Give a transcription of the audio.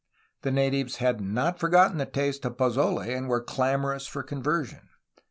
The natives '^had not forgotten the taste of pozole, and were clamorous for conversion."